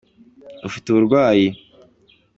ufite uburwayi